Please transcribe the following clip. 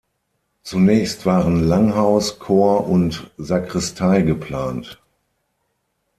Zunächst waren Langhaus, Chor und Sakristei geplant.